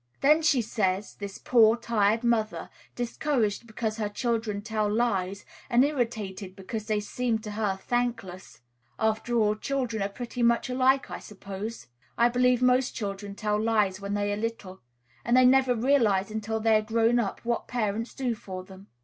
Then she says, this poor, tired mother, discouraged because her children tell lies, and irritated because they seem to her thankless, "After all, children are pretty much alike, I suppose. I believe most children tell lies when they are little; and they never realize until they are grown up what parents do for them."